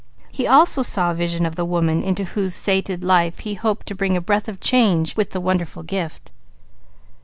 He also saw a vision of the woman into whose sated life he hoped to bring a breath of change with the wonderful gift.